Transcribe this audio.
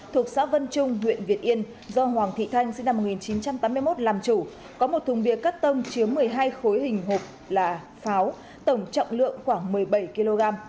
thuộc xã vân trung huyện việt yên do hoàng thị thanh sinh năm một nghìn chín trăm tám mươi một làm chủ có một thùng bia cắt tông chứa một mươi hai khối hình hộp là pháo tổng trọng lượng khoảng một mươi bảy kg